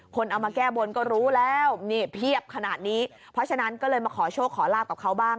คนเอามาแก้บนก็รู้แล้วนี่เพียบขนาดนี้เพราะฉะนั้นก็เลยมาขอโชคขอลาบกับเขาบ้าง